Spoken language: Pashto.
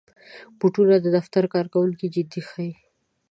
بوټونه د دفتر کارکوونکي جدي ښيي.